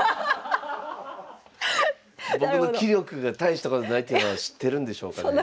僕の棋力が大したことないっていうのは知ってるんでしょうかね。